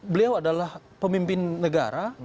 beliau adalah pemimpin negara